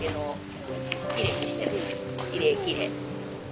きれいきれい。